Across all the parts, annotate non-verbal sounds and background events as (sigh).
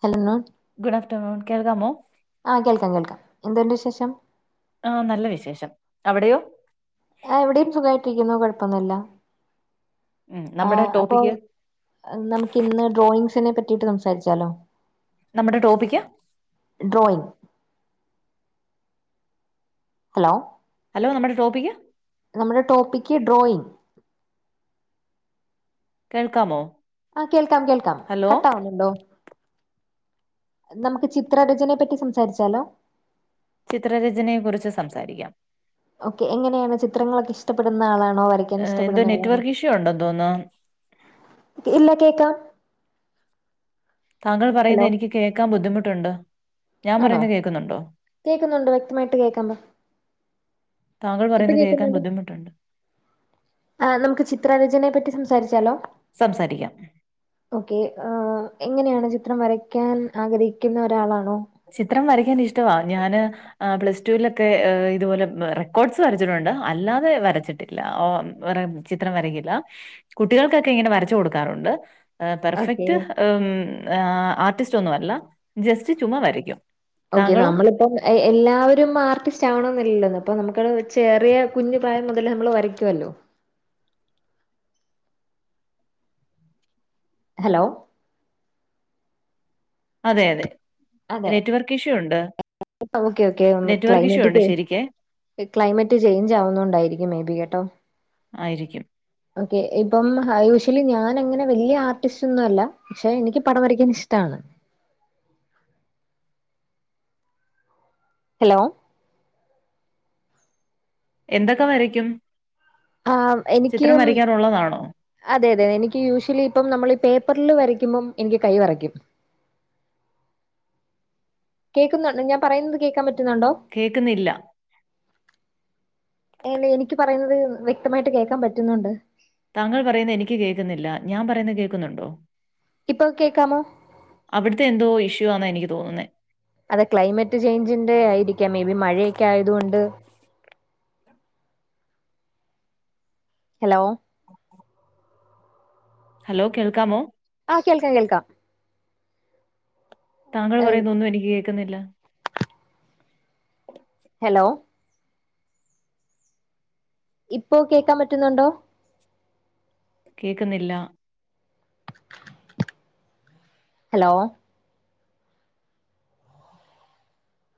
ഹ (unintelligible) good afternoon കേൾക്കാമോ? ആഹ കേൾക്കാം കേൾക്കാം എന്ത്ണ്ട വിശേഷം? ആ നല്ല വിശേഷം അവ്ടെയോ? ആഹ ഇവ്ടയും സുഖായിട്ടിരിക്കുന്നു കുഴപ്പൊന്നില്ല ഉം നമ്മുടെ ആഹ് അപ്പൊൾ. ടോപ്പിക്ക് നമുക്ക് ഇന്ന് ഡ്രോയിങ്സിനെ പറ്റിട്ട് സംസാരിച്ചാലോ? നമ്മുടെ ടോപ്പിക്ക്. ഡ്രോയിങ്. ഹലോ ഹലോ നമ്മുടെ ടോപ്പിക്ക്. നമ്മുടെ ടോപ്പിക്ക് ഡ്രോയിങ്ങ്. കേൾക്കാമോ? ആഹ് കേൾക്കാം കേൾക്കാം ഹലോ കട്ടാവുന്നുണ്ടോ? നമ്ക്ക് ചിത്രരചനയെ പറ്റി സംസാരിച്ചാലോ? ചിത്രരചനയെക്കുറിച്ച് സംസാരിക്കാം. ഓക്കെ എങ്ങനെയാണ് ചിത്രങ്ങളൊക്കെ ഇഷ്ടപ്പെടുന്ന ആളാണോ വര എന്തോ നെറ്റ്വർക്ക് ഇഷ്യൂ ഉണ്ടോ തോന്നോ. ഇല്ല കേക്കാം. താങ്കൾ ഹലോ പറയുന്നെ എനിക്ക് കേക്കാൻ ബുദ്ധിമുട്ടുണ്ട്. ഞാൻ ആണോ പറയുന്നത് കേൾക്കുന്നുണ്ടോ കേക്കുന്നുണ്ടോ വ്യക്തമായിട്ട് കേക്കാമോ? താങ്കൾ പറയുന്ന കേക്കാ ബുദ്ധിമുട്ടുണ്ട്. ആഹ നമ്ക്ക് ചിത്രരചനയെ പറ്റി സംസാരിച്ചാലോ? സംസാരിക്കാം ഓക്കെ ഏഹ് എങ്ങനെയാണ് ചിത്രം വരയ്ക്കാൻ ആഗ്രഹിക്ക്ന്നെ ഒരാളാണോ? ചിത്രം വരയ്ക്കാൻ ഇഷ്ടവാ ഞാന്. ആ പ്ലസ്ടുവലൊക്കെ ഇതുപോലെ റെക്കോർഡ്സ് വരച്ചിട്ടുണ്ട് അല്ലാതെ വരച്ചിട്ടി. ല ഏമ് ഒരം ചിത്രം വരക്കില്ല കുട്ടികൾക്കൊക്കെ ഇങ്ങനെ വരച്ച കൊടുക്കാറുണ്ട്. ആഹ് ഓക്കെ. പെർഫെക്റ്റ് എമ് ആർട്ടിസ്റ്റ് ഒന്നുവല്ല ജസ്റ്റ് ചുമ വരക്കും. ഓക്കെ നമ്മളിപ്പം. എഹ് എല്ലാവരും ആർട്ടിസ്റ്റ് ആവണൊന്നില്ലല്ലൊ അപ്പൊ നമുക്ക ചെറിയ കുഞ്ഞു പ്രായം മുതല് നമ്മൾ വരയ്ക്കുവല്ലോ? ഹലോ? അതെയതെ. അതെ. നെറ്റ് വർക്ക് ഇഷ്യൂണ്ട്. ഓക്കെ ഓക്കെ ക്ലൈമറ്റ്ക്കെ. ശരിക്കേ. ക്ലൈമറ്റ് ചേഞ്ച് ആവുന്നണ്ടായിരിക്കും മേബി കേട്ടോ. ആയിരിക്കും. ഓക്കെ ഇപ്പം ഹയൂഷ്വലി ഞാൻ അങ്ങനെ വലിയ ആർട്ടിസ്റ്റൊന്നു അല്ല. പക്ഷെ എനിക്ക് പടം വരയ്ക്കാനിഷ്ടണ്. ഹലോ. എന്തൊക്കെ വരയ്ക്കും? ആഹ് എനിക്. ചിത്രം വരയ്ക്കാറുള്ളതാണോ? അതെ അതെ എനിക്ക് യൂഷ്വലി ഇപ്പം നമ്മൾ ഈ പേപ്പറിൽ വരയ്ക്കുമ്പം എനിക്ക് കൈ വിറയ്ക്കും. കേൾക്കുന്നുണ്ട് ഞാൻ പറയുന്നത് കേൾക്കാൻ പറ്റുന്നുണ്ടോ. കേൾക്കുന്നില്ല. അണോ എനിക്ക് പറയുന്നത് വ്യക്തമായിട്ട് കേൾക്കാൻ പറ്റുന്നുണ്ട്. താങ്കൾ പറയുന്ന എനിക്ക് കേൾക്കുന്നില്ല ഞാൻ പറയുന്ന കേൾക്കുന്നുണ്ടോ. ഇപ്പൊ കേക്കാമോ. അവിടുത്തെ എന്തോ ഇഷ്യൂ ആന്നാ എനിക്ക് തോന്നുന്നെ. അതെ ക്ലൈമറ്റ് ചേഞ്ചിന്റെ ആയിരിക്കാം മേ ബി മഴയൊക്കെ ആയതുകൊണ്ട്. ഹലോ ഹലോ കേൾക്കാമോ? ആഹ് കേൾക്കാം കേൾക്കാം. താങ്കൾ പറയുന്ന ഒന്നും എനിക്ക് കേൾക്കുന്നില്ല. ഹലോ ഇപ്പോ കേൾക്കാൻ പറ്റുന്നുണ്ടോ? കേക്കുന്നില്ല ഹലോ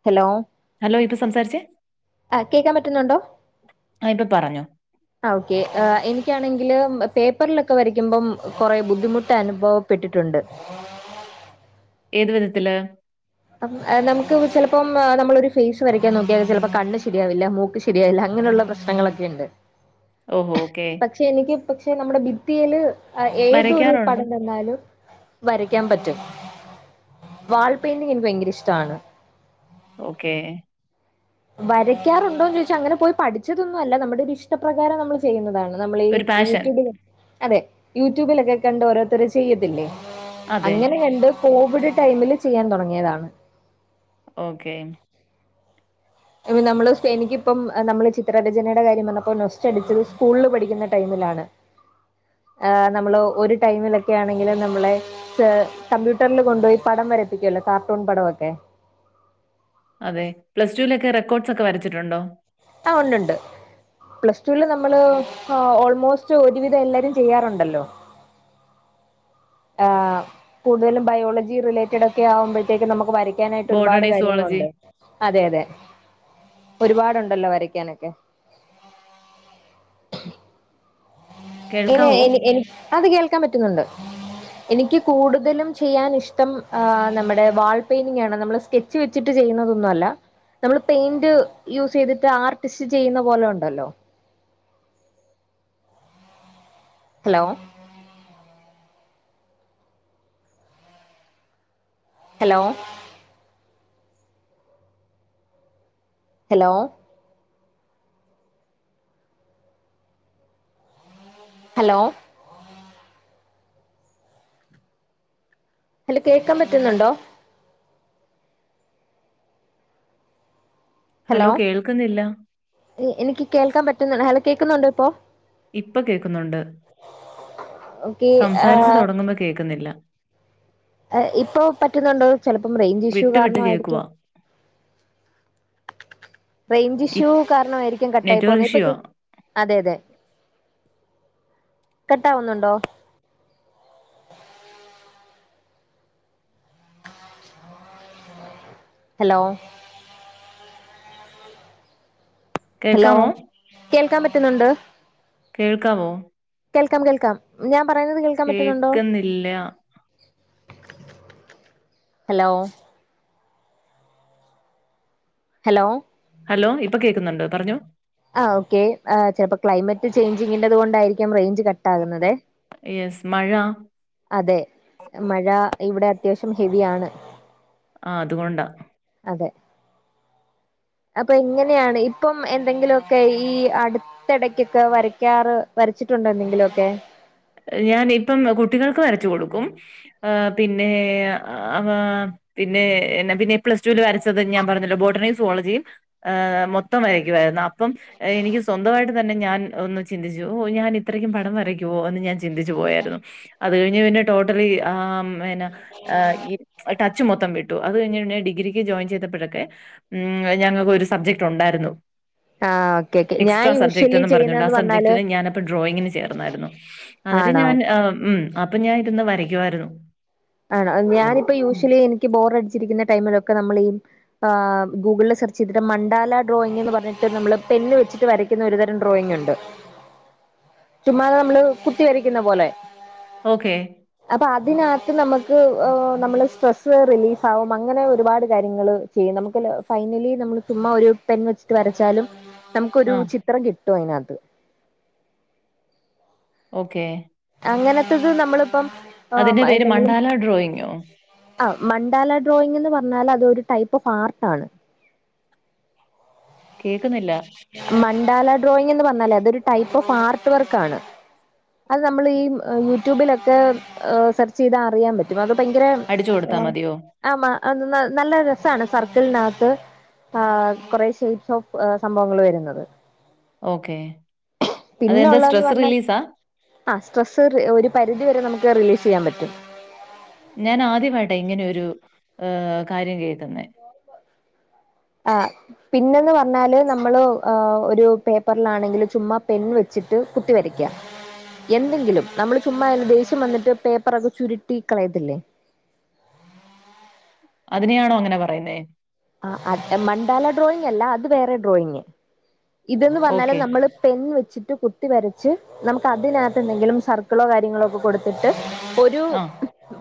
ഹലോ ഹലോ ഇപ്പ സംസാരിച്ചേ. ആഹ് കേൾക്കാൻ പറ്റുന്നുണ്ടോ. ആഹ് ഇപ്പൊ പറഞ്ഞോ. ആഹ് ഓക്കേ എനിക്കാണെങ്കില് പേപ്പറിലൊക്കെ വരയ്ക്കുമ്പം കുറെേ ബുദ്ധിമുട്ട് അനുഭവ പ്പെട്ടിട്ടുണ്ട്. ഏത് വിധത്തില്. അഹ് നമുക്ക് ചിലപ്പോം നമ്മളൊരു ഫേസ് വരക്കാൻ നോക്കിയാൽ ചിലപ്പോ കണ്ണ് ശരിയാവില്ല മൂക്ക്. ശരിയാവില്ല അങ്ങനെയുള്ള പ്രശ്നങ്ങളൊക്കെ ഉണ്ട്. ഓഹോ ഓക്കെ. പക്ഷെ എനിക്ക് പക്ഷെ നമ്മുടെ ഭിത്തിയില് ഏതൊരു വരയ്ക്കാറുണ്ട് പടം തന്നാലും. വരയ്ക്കാൻ പറ്റും വാൾ പെയിന്റിങ് എനിക്ക് ഭയങ്കര ഇഷ്ടമാണ്. ഓക്കേ. വരക്കാറുണ്ടോന്ന് ചോദിച്ചാ അങ്ങനെ പോയി പഠിച്ചതൊന്നല്ല നമ്മുടെ ഒരു ഇഷ്ടപ്രകാരം നമ്മള്. ചെയ്യുന്നതാണ് നമ്മൾ ഈ ഒരു പാഷൻ യൂട്യൂബില അതെ യൂട്യൂബിലൊക്കെ കണ്ട് ഓരോരുത്തര് ചെയ്യത്തില്ലേ. അതെ അങ്ങനെ കണ്ട് കോവിഡ് ടൈമില് ചെയ്യാൻ തുടങ്ങിയതാണ്. ഓക്കേ. ഇ നമ്മള് എനിക്കിപ്പം നമ്മള് ചിത്രരചനയുടെ കാര്യം വന്നപ്പോ നൊസ്. സ്റ്റഡീച്ചത് സ്കൂളിൽ പഠിക്കുന്ന ടൈമിലാണ്. ആഹ് നമ്മള് ഒരു ടൈമിലൊക്കെ ആണെങ്കില് നമ്മളെ കമ്പ്യൂട്ടറില് കൊണ്ടുപോയി പടം വരപ്പിക്കുല്ലോ കാർട്ടൂൺ പട വൊക്കെ. അതെ, പ്ലസ്ടുവിലൊക്കെ റെക്കോഡ്സ് ഒക്കെ വരച്ചിട്ടുണ്ടോ? ആഹ് ഉണ്ട് ഉണ്ട്. പ്ലസ് ടുവില് നമ്മള് ഓൾമോസ്റ്റ് ഒരുവിധം എല്ലാരും ചെയ്യാറുണ്ടല്ലോ. ആഹ്, കൂടുതലും ബയോളജി റിലേറ്റഡ് ഒക്കെ ആവുമ്പോഴത്തേക്ക് നമ്മക്ക് വര വരക്കാനായിട്ട് ഒരുപാട് ബോട്ടണി സുവോളജി കാര്യങ്ങളുണ്ട് അതെ അതെ ഒരുപാടുണ്ടല്ലോ വരക്കാനൊക്കെ. ഇനി കേൾക്കാവോ എനി എനി അത് കേൾക്കാൻ പറ്റുന്നുണ്ട്. എനിക്ക് കൂടുതലും ചെയ്യാൻ ഇഷ്ടം, ആ നമ്മുടെ വാൾ പെയിന്റിംഗാണ് നമ്മള് സ്കെച്ച് ച്ച് വെച്ചിട്ട് ചെയ്യുന്നതൊന്നുല്ല. നമ്മള് പെയിന്റ് യൂസ് ചെയ്തിട്ട് ആർട്ടിസ്റ്റ് ചെയ്യുന്ന പോലെ ഉണ്ടല്ലോ. Hello hello hello hello hello കേൾക്കാൻ പറ്റുന്നുണ്ടോ? ഹലോ കേൾക്കുന്നില്ല. എനിക്ക് കേൾക്കാൻ പറ്റുന്ന ഹലോ കേൾക്കുന്നുണ്ടോ ഇപ്പൊ? ഇപ്പൊ കേൾക്കുന്നുണ്ട് ഓക്കെ സംസാരിച്ചു തൊടങ്ങുമ്പോ കേൾക്കുന്നില്ല. ആ ഇപ്പൊ പറ്റുന്നുണ്ടോ ചെലപ്പം റേഞ്ച് ഇഷ്യൂ വിട്ട് വിട്ട് കേൾക്കുക കാരണമായിരിക്കും. റേഞ്ച് ഇഷ്യൂ കാരണമായിരിക്കും കട്ടായി നെറ്റ്വർക്ക് പോവുന്നത് ഇപ്പൊ ഇഷ്യൂവാ അതെ അതെ കട്ടാവുന്നുണ്ടോ? ഹലോ ഹലോ കേൾക്കാമോ കേൾക്കാൻ പറ്റുന്നുണ്ട്. കേൾക്കാമോ കേൾക്കാം കേൾക്കാം ഞാൻ പറയുന്നത് കേൾക്കാൻ പറ്റുന്നുണ്ടോ? കേൾക്കുന്നില്ല ഹലോ ഹലോ ഹലോ ഇപ്പൊ കേൾക്കുന്നുണ്ട് പറഞ്ഞോ. ആഹ് ഓക്കേ ആ ചെലപ്പോ ക്ലൈമറ്റ് ചേഞ്ചിങ്ങിന്റെത് കൊണ്ടായിരിക്കും റേഞ്ച് ക ട്ടാ കുന്നതേ. യെസ് മഴ അതെ മഴ ഇവിടെ അത്യാവശ്യം ഹെവിയാണ്. ആഹ് അതുകൊണ്ടാ. അതെ അപ്പൊ എങ്ങനെയാണ് ഇപ്പം എന്തെങ്കിലുക്കെ ഈ അടു ടക്കൊക്കെ വരയ്ക്കാറ് വരച്ചിട്ടുണ്ടോ എന്തെങ്കിലൊക്കെ? ഞാൻ ഇപ്പം കുട്ടികൾക്ക് വരച്ചു കൊടുക്കും ആ പിന്നെ ആ പിന്നെ പിന്നെ പ്ലസ്ടുവില് വരച്ചത് ഞാൻ പറഞ്ഞല്ലോ ബോട്ടണിം സോളജിം ആഹ് മൊത്തം വരക്കുവായിരുന്നോ? അപ്പം എനിക്ക് സ്വന്തമായിട്ട് തന്നെ ഞാൻ ഒന്ന് ചിന്തിച്ചു ഓ ഞാൻ ഇത്രയ്ക്ക് പടം വരയ്ക്കുവോ ന്ന് ഞാൻ ചിന്തിച്ചു പോയായിരുന്നു അത് കഴിഞ്ഞ് പിന്നെ ടോട്ടലി ആഹ് പിന്നെ ആ ഈ ടച്ച് മൊത്തം വിട്ടു, അത് കഴിഞ്ഞ് പിന്നെ ഡിഗ്രിക്ക് ജോയിൻ ചെയ്തപ്പോഴൊക്കെ ഉം അത് ഞങ്ങൾക്ക് ഒരു സബ്ജക്ട് ഉണ്ടായിരുന്നു. ആ ഓക്കെ ഓക്കെ ഞാൻ എക്സ്ട്രാ യൂഷ്വലി സബ്ജക്റ്റ്ന്നും പറഞ്ഞോണ്ട് ആ ചെയ്യുന്നന്ന് പറഞ്ഞാല് സബ്ജക്ടിന് ഞാനപ്പൊ ഡ്രോയിങ്ങിന് ചേർന്നാരുന്നു. എന്നിട്ട് ആണോ ഞാൻ ആം ഉം അപ്പൊ ഞാൻ ഇരുന്ന് വരയ്ക്കുആയിരുന്നു. ആണോ ഞാനിപ്പോ യൂഷ്വലി എനിക്ക് ബോർ അടിച്ചിരിക്കുന്ന ടൈമിലൊക്കെ നമ്മള് ഈ ആ ഗൂഗിളില് സെർചെയ്തിട്ട് മണ്ടാല ഡ്രോയിങ് എന്ന് പറഞ്ഞിട്ട് നമ്മള് പെനന് വെച്ചിട്ട് വരക്കുന്ന ഒരുതരം ഡ്രോയിങ് ഉണ്ട്. ചുമ്മാത നമ്മള് കുത്തി വരക്കുന്ന പോലെ. ഓക്കേ അപ്പൊ അതിനക നമ്മക്ക് നമ്മള് സ്ട്രെസ്സ് റിലീസ് ആകും അങ്ങനെ ഒരുപാട് കാര്യങ്ങള് ചെയ്യും നമുക്കല്ല ഫൈനലി നമ്മള് ചുമ്മാ ഒരു പെൻ വെച്ചിട്ട് വരച്ചാലും നമുക്കൊരു ആഹ് ചിത്രം കിട്ടും അതിനകത്ത്. ഓക്കേ അങ്ങനത്തത് നമ്മളിപ്പം അതിന്റെ ആഹ് പേര് എന്തെങ്കിലും മണ്ടാല ഡ്രോയിങ്ങോ? ആഹ് മണ്ഡാല ഡ്രോയിങ് എന്ന് പറഞ്ഞാൽ അത് ഒരു ടൈപ്പ് ഓഫ് ആർട്ട് ആണ് കേൾക്കുന്നില്ല മണ്ഡാല ഡ്രോയിങ് എന്ന് പറഞ്ഞാലേ അതൊരു ടൈപ്പ് ഓഫ് ആർട്ട് വർക്ക് ആണ് അത് നമ്മൾ ഈ യൂട്യൂബിലൊക്കെ് സെർച്ച് ചെയ്താ അറിയാൻ പറ്റും അത് ഭയങ്കര അടിച്ചു കൊടുത്താൽ മതിയോ ആഹ് അത് നല്ല രസമാണ് സർക്കിളിനകത്ത് ആഹ് കുറെ ഷേപ്സ് ഓഫ് സംഭവങ്ങൾ വരുന്നത് ഓക്കെ അതെന്താ സ്ട്രെസ്സ് റിലീസാ ആഹ് സ്ട്രെസ്സ് ഒരു പരിധിവരെ നമുക്ക് റിലീസ് ചെയ്യാൻ പറ്റും ഞാൻ ആദ്യമായിട്ടാ ഇങ്ങനെയൊരു കാര്യം കേൾക്കുന്ന ആഹ് പിന്നാന്ന് പറഞ്ഞാല് നമ്മള് ആഹ് ഒരു പേപ്പറിലാണാങ്കില് ചുമ്മാ പെൻ വെ വെച്ചിട്ട് കുത്തി വരക്ക്യാ എന്തെങ്കിലും നമ്മള് ചുമ്മാ ദേഷ്യം വന്നിട്ട് പേപ്പറൊക്കെ ചുരുട്ടി കളയത്തില്ലെ അതിനെയാണോ അങ്ങനെ പറയ്ന്നേ ആഹ് അഹ് മാണ്ടലാ ഡ്രോയിങ് അല്ലാ അത് വേറെ ഡ്രോയിങ്ങ് ഇതന്ന് പറഞ്ഞാല് ഓക്കേ. നമ്മള് പെൻ വെച്ചിട്ട് കു ത്തി വരച്ച് നമ്മക്ക് അതിനാത്ത് എന്തെങ്കിലും സർക്കിളോ കാര്യങ്ങളോ ഒക്കെ കൊട്ത്തിട്ട് ഒരു ആഹ്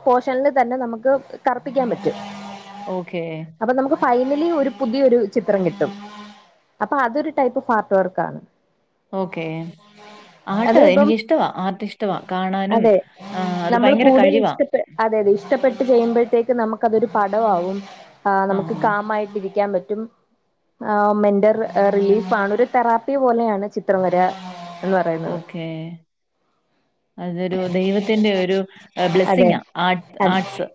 പോഷനിൽ തന്നെ നമുക്ക് കറുപ്പിക്കാൻ പറ്റും ഓക്കെ അപ്പൊ നമ്മക്ക് ഫൈനലി ഒര് പുതിയൊരു ചിത്രം കിട്ടും അപ്പൊ അത് ഒര് ടൈയ്പ്പ് ഒഫ് ആർട്ട് വർക്കാണ് ഓക്കേ ആർട്ട് അത് ഇപ്പം എനിക്കിഷ്ടവാ ആർട്ട് ഇഷ്ടവാ കാണാനും അതെ ആഹ് അത് നമ്മൾ ഭയങ്കര കൂടുതൽ കഴിവാ ഇഷ്ടപ്പെ അതെ അതെ ഇഷ്ടപ്പെട്ട് ചെയ്യുമ്പോഴത്തേക്ക് നമ്മക്ക് അതൊരു പടം ആവും ആഹ് നമ്മക്ക് കാമായിട്ട് ഇരിക്കാൻ പറ്റും ആഹ് മെന്റർ റില് സാണ് ഒര് തെറാപ്പി പോലെയാണ് ചിത്രം വര എന്ന് പറയ്ന്നാത് ഏഹ് അതൊരു ദൈവത്തിന്റെ ഒരു അതെ ബ്ലെസ്സിംങ്ങാ ആഹ് ആട് അ ആട്സ്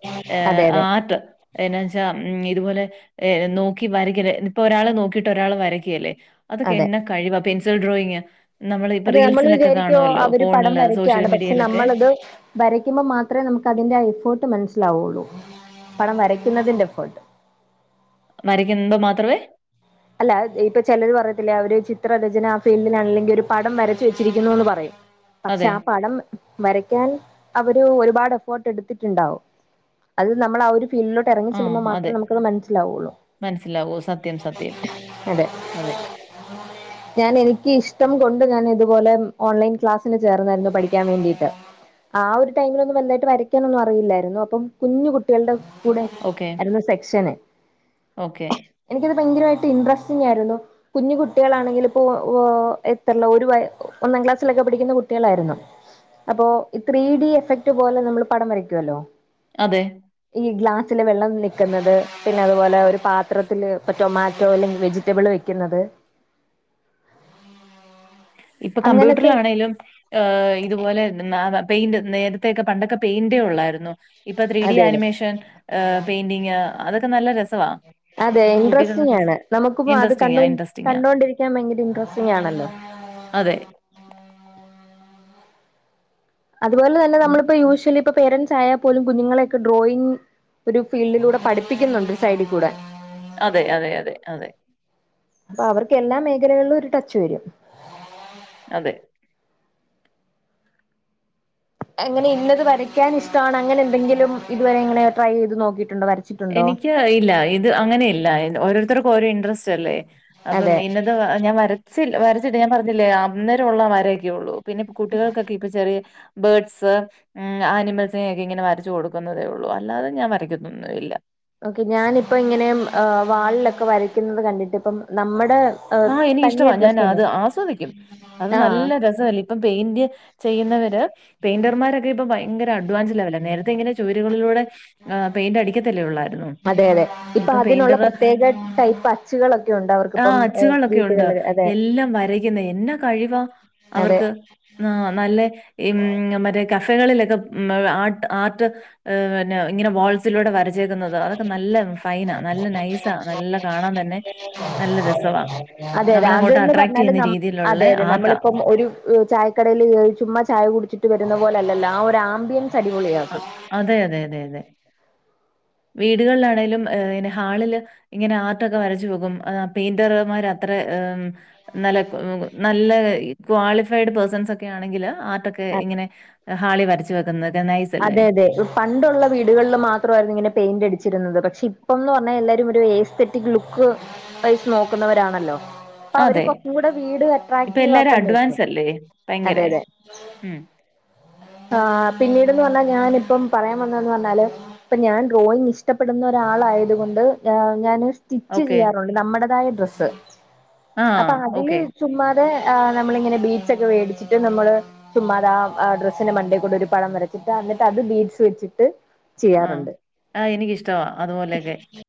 അതെ ഏഹ് അതെ ആർട്ട് എന്നാ വെച്ചാ ഉം ഇത്പോലെ നോക്കി വരയ്യക്കില്ലൊ ഇപ്പൊ ഒരാള് നോക്കിട്ട് ഒരാള് വരയ്ക്ക്യാ അല്ലേ അതൊക്കെ അതെ എന്നെ കഴിവാ പെൻസിൽ ഡ്രോയിങ് നമ്മള് ഇപ്പേ റീൽസിലൊക്കെ കാണുവല്ലോ ഫോണില് സോഷ്യൽ യാണ് പക്ഷെ മീഡിയയിലൊക്കെ. നമ്മളത് വരയ്ക്കുമ്പോൾ മാത്രമേ നമ്മക്ക് അതിന്റെ എഫ്ഫർട്ട് മനസ്സിലാവുള്ളൂ പടം വരയ്ക്കന്നാതിന്റെ എഫ്ഫർട്ട് വരയ്ക്കമ്പോ മാത്രമേ അല്ല ഇപ്പൊ ചെലര് പറയത്തില്ലോ അവര് ചിത്രരചന ആഹ് ഫീൽഡിന ആണല്ലെങ്കി ഒര് പടം വരച്ച് വെച്ചിരിക്കുന്നു എന്ന് പറയും പക്ഷേ അതെ. ആഹ് പടം വരയ്ക്കാൻ അവര് ഒരുപാട് എഫേർട്ട് എടുത്തിട്ട് ഇണ്ടാവും അത് നമ്മള് അവര് ഫീൽഡ് ലോട് എറങ്ങി ചെല്ല്മ്പോ മാത്രമേ നമ്മക്ക് അത് മനസിലാവുള്ളൂ മനസ്സിലാവുവോ സ അതെ ഞാൻ എനിക്ക് ഇഷ്ടം കൊണ്ട് ഞാൻ ഇത് പോലെ ഓൺലൈൻ ക്ലാസ്സിന് ചേർന്നാരുന്നു പഠിക്കാൻ വേണ്ടിട്ട് ആഹ് ഒര് ടൈമിലന്നും വല്ലാതയിട്ട് വരക്കാനൊന്നും അറിയില്ലരുന്നു അപ്പം കുഞ്ഞ് കുട്ടികളുടെ കൂടെ ഓക്കേ. ആരാന്ന് സെക്ഷന് ഓക്കേ. എനിക്കത് ഭയാങ്കരമായിട്ട് ഇൻട്രസ്റ്റിംങ്ങ് ആരുന്നു കുഞ്ഞ് കുട്ടികളാണെങ്കിലി ഇപ്പൊ എത്രല്ലോ ഒരു വയാ ഒന്നാം ക്ലാസ്സിലൊക്കെ പഠിക്കന്നാ കുട്ടികളാര്ന്നു അപ്പൊ ഈ ത്രീ ഡി എഫക്ട് പോലെ നമ്മള് പടം വരയ്ക്കുവാല്ലോ അതെ ഈ ഗ്ലാസിലെ വെള്ളം നിക്ക്ന്നാത് പിന്നെ അത് പോലെ ഒര് പാത്രത്തില് ഇപ്പ ടൊമാറ്റോ അല്ലെങ്കി വെജിറ്റബിള് വെക്ക്ന്നാത് ഇപ്പൊ അങ്ങനത്തെ കമ്പ്യൂട്ടറില് ആണോലും ആഹ് ഇത് പോലെ പെയിന്റ് നേരത്തേയൊക്കെ പണ്ടൊക്കെ പെയിന്റേ ഒള്ളാര്ന്നു ഇപ്പൊ ത്രീ ഡി അതെ അതെ ആനിമേഷൻ പെയിന്റിങ് അതൊക്കെ നല്ലാ രസാ അതെ ഇൻട്രസ്റ്റിംങ്ങ് ആണ് നമ്മക്കിപ്പോ അത് ക ഇൻട്രസ്റ്റിംഗാ കണ്ടോണ്ടിരി ഇൻട്രസ്റ്റിംഗാ കണ്ടോണ്ടിരിക്കാൻ ബയങ്കര ഇൻട്രസ്റ്റിങ് ആണല്ലോ അതെ അതുപോലെ തന്നെ ഉം നമ്മളിപ്പോ യൂഷോലി ഇപ്പേ പേരൻറ്സ് ആയാ പോലും കുങ്ങളെയൊക്കേ ഡ്രോയിങ് ഒരു ഫീൽഡിലൂടെ പഠിപ്പിക്കുന്നുണ്ട് സൈഡിലൂടെ അതെ അതെ അതെ അതെ ആഹ് അവർക്ക് എല്ലാ മേഖലകളിലും ഒര് ട്ടച്ച് വരും അതെ എങ്ങനെ ഇന്നത് വരക്ക്യാൻ ഇഷ്ടാണ് അങ്ങനെ എന്തൊങ്കിലും ഇത് വേരെ ഇങ്ങനെ ട്രൈയ് ചെയ്ത് നോക്കിയിട്ട് ഇണ്ടോ വെരക്കാ എനിക്ക് ആയില്ല ഇല്ല ഇത് അങ്ങനെ ഇല്ല ഓരോരുത്തർക്കും ഓരോ ഇൻട്രസ്റ്റ് അല്ലേ അപ്പം അതെ ഇന്നത്ത വ ഞാൻ വരച്ചില്ല വരച്ചിട്ട് ഞാൻ പറഞ്ഞില്ലേ അന്നേരം ഉള്ള വരയൊക്കെ ഉള്ളൂ പിന്നെ കുട്ടികൾക്കെ ചെറിയ ബേഡ്സ് ഉം ആനിമൽസിനെയൊക്കെ ഇങ്ങനെ വരച്ചുക കൊടുക്കുന്നേ ഉള്ളൂ അല്ലാതെ ഞാൻ വരയ്ക്കോന്നുല്ല ഓക്കെ ഞാനിപ്പ ഇങ്ങനെ വാളിലൊക്കെ വരയ്ക്കുന്നത് കണ്ടിട്ട് ഇപ്പം നമ്മടെ ആഹ് എനിക്കിഷ്ടമാണ് ഞാൻ അത് ആസ്വദിക്കും അത് ആഹ് നല്ല രസമല്ലെ ഇപ്പം പെയിന്റ് ചെയ്യുന്നവര് പെയിന്റർമാരൊക്കെ ഇപ്പ ഭയങ്കര അഡ്വാൻസ് ലെവല നേരത്തെ ഇങ്ങനെ ചുവര് കളിലൂടെ അതെ യതെ ഇപ്പൊ അതിനുള്ള പ്രത്യേക ടൈപ്പ് ടൂളൊക്കെ ഉണ്ട് അവർക്കിപ്പം കളൊക്കെുണ്ട് വീട്ടുകളിൽ അതെ എല്ലാം വരയ്ക്കുന്ന എന്നാ കഴിവ അതെ അവർക്ക് ആഹ് നല്ല ഉം മറ്റേ കഫകളിലൊക്കെ ആഹ് ആർട്ട് ഈഹ് പിന്നെ ഇങ്ങനെ വാൾസിലൂടെ വരച്ചേക്കുന്നത് അതൊക്കെ നല്ല ഫൈന നല്ല നൈസ നല്ല കാണാൻ തന്നെ നല്ല രസമാണ് അതെ അതെ അതന്ന് പറഞ്ഞാല് രീതിയിലുള്ള അതെ അതെ ആർട്ടാ നമ്മളിപ്പോ ഒരു ചായക്കടയിൽ ചുമ്മാ ചായ കുടിച്ചിട്ട് വരുന്ന പോലെല്ലല്ലോ ആ ആമ്പിയൻസ് അടിപൊളിയാക്കും അതെ അതെ അതെ അതെ വീടുകളിലാണേിലും ഹാളില് ഇങ്ങനെ ആർട്ടൊക്കെ വരച്ചു പോകും പെയിന്റർമാർ അത്ര ഈഹ് നല്ല നല്ല ക്വാളിഫൈഡ് പേഴ്സൺസ് ഒക്കെ ആണെങ്കിൽ ആർട്ടോക്കെ ഇങ്ങനെ ഹാളി വരച്ച് വെക്കുന്നത് അതെ അതെ പണ്ടുള്ള വീടുകളിൽ മാത്രമായിരുന്നു ഇങ്ങനെ പെയിന്റ് അടിച്ചിരുന്നത് പക്ഷെ ഇപ്പം എന്ന് പറഞ്ഞാൽ എല്ലാരും ഇവിടെ എസ്റ്റേ എസ്റ്റേറ്റിക്ക് ലുക്ക് വൈസ് നോക്കുന്നവരാണല്ലോ അപ്പൊ അവര് അതെ. കൂടെ വീട് ഇപ്പൊ അട്രാക്റ്റീവ എല്ലാരും ആക്കാൻ നോക്കും അഡ്വാൻസല്ലേ? അതെ ഭയങ്കരെ. അതെ ഉം ആഹ് പിന്നീട്ന്ന് പറഞ്ഞാൽ ഞാനിപ്പം പറയാൻ വന്നന്ന് പറഞ്ഞാല് ഇപ്പൊ ഞാൻ ഡ്രോയിങ് ഇഷ്ടപ്പെടുന്ന ഒരാളായത കൊൊണ്ട് ഞാാന് സ്റ്റിച്ച് ഓക്കെ. ചെയ്യാറുണ്ട് നമ്മുടേതായ ഡ്രസ്സ് ആഹ്. അപ്പൊ അതില് ഓക്കെ. ചുമ്മാതെഹ് നമ്മളിങ്ങനെ ബീറ്റ്സ് ഒക്കെ മേടിച്ചിട്ട് നമ്മള് ചുമ്മാത ആഹ് ആ ഡ്രസ്സസിന് മണ്ടേക്കൂടെ ഒരു പടം വരച്ചിട്ട് എന്നിട്ട് അത് ബീറ്റ്സ് വച്ചിട്ട് ആഹ് ആഹ് എനക്ക്ഷ്ടവാ അതുപോലെയൊക്കെ